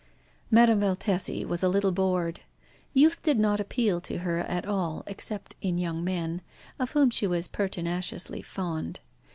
Madame Valtesi was a little bored. Youth did not appeal to her at all, except in young men, of whom she was pertinaciously fond.